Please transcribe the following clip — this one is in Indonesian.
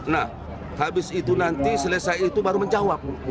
nah habis itu nanti selesai itu baru menjawab